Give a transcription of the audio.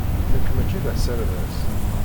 Nekk mačči d aserdas.